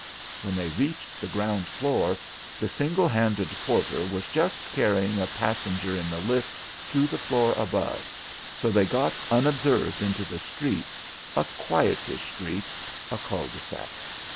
When they reached the ground floor the single handed porter was just carrying a passenger in the lift to the floor above, so they got unobserved into the street, a quietish street, a cul de sac.